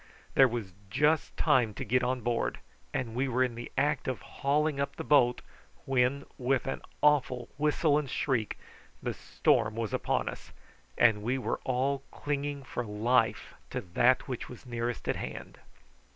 There was just time to get on board, and we were in the act of hauling up the boat, when, with an awful whistle and shriek, the storm was upon us, and we were all clinging for life to that which was nearest at hand.